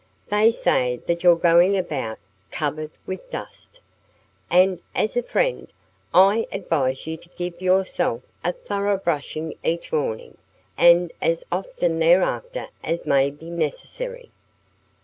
They say that you're going about covered with dust! And as a friend, I advise you to give yourself a thorough brushing each morning, and as often thereafter as may be necessary."